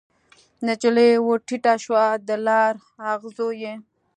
نجلۍ ورټیټه شوه د لار اغزو یې